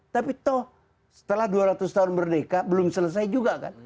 tapi toh setelah dua ratus tahun merdeka belum selesai juga kan